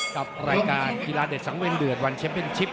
กับรายการกีฬาเด็ดสังเวียดวันแชมป์เป็นชิป